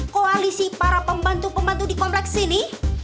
koalisi para pembantu pembantu di kompleks ini